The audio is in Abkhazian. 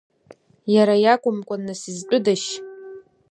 Иара иакәымкәан, нас изтәыдазшь?